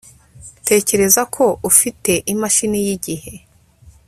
Tekereza ko ufite imashini yigihe